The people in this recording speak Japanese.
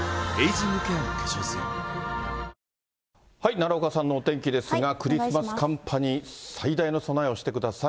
奈良岡さんのお天気ですが、クリスマス寒波に最大の備えをしてください。